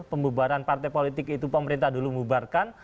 pemubaran partai politik itu pemerintah dulu mubarkan